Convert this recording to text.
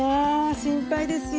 心配ですよ。